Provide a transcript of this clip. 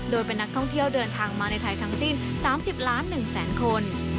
โดยเป็นนักท่องเที่ยวเดินทางมาในไทยทั้งสิ้น๓๐ล้าน๑แสนคน